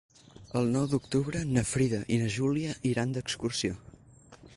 El nou d'octubre na Frida i na Júlia iran d'excursió.